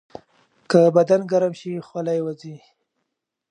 که بدن ګرم شي، خوله یې وځي.